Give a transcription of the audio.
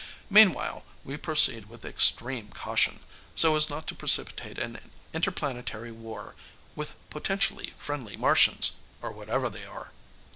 Meanwhile, we proceed with extreme caution, so as not to precipitate an interplanetary war with potentially friendly Martians, or whatever they are.